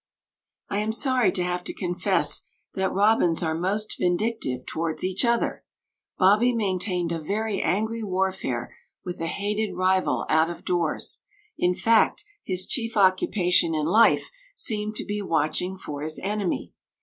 I am sorry to have to confess that robins are most vindictive towards each other! Bobbie maintained a very angry warfare with a hated rival out of doors, in fact his chief occupation in life seemed to be watching for his enemy.